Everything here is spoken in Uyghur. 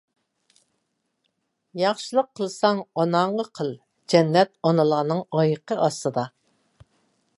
ياخشىلىق قىلساڭ ئاناڭغا قىل، جەننەت ئانىلارنىڭ ئايىغى ئاستىدا!